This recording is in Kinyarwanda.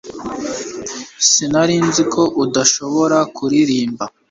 Sinari nzi ko udashobora kuririmba